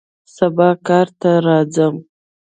سبا کار ته راځم